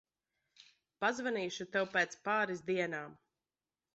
Pazvanīšu tev pēc pāris dienām.